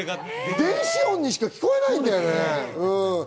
電子音にしか聞こえないんだよね。